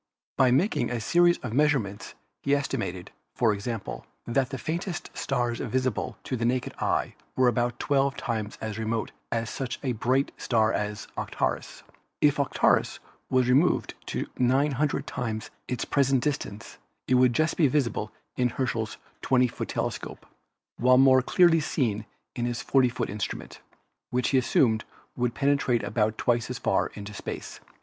By making a series of measurements he estimated, for example, that the faintest stars visible to the naked eye were about twelve times as remote as such a bright star as Arcturus. If Arcturus were removed to 900 times its present distance it would just be visible in Herschel's 20 foot telescope, while more clearly seen in his 40 foot instrument, which he assumed would penetrate about twice as far into space.